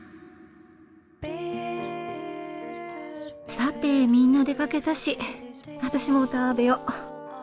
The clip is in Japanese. さてみんな出かけたし私も食べよう。